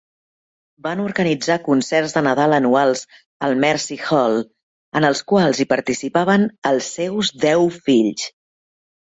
Van organitzar concerts de Nadal anuals al Mercy Hall, en els quals hi participaven els seus deu fills.